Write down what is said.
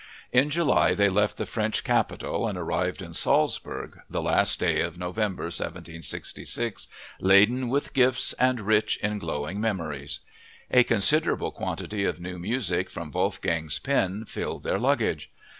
In July they left the French capital and arrived in Salzburg the last day of November 1766, laden with gifts and rich in glowing memories. A considerable quantity of new music from Wolfgang's pen filled their luggage.